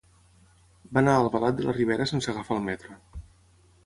Va anar a Albalat de la Ribera sense agafar el metro.